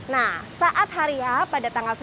nah saat harian pada tanggal tujuh belas agustus